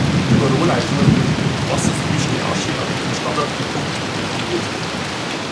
Über Rohrleitungen wurde die mit Wasser vermischte Asche an diesen Standort gepumpt und deponiert.